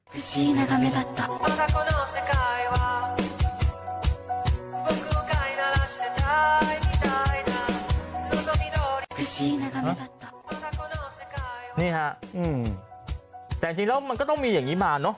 นี่ฮะแต่จริงแล้วมันก็ต้องมีอย่างนี้มาเนอะ